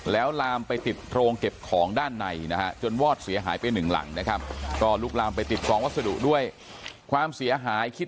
แล้วลามไปติดโรงเก็บของด้านในนะฮะ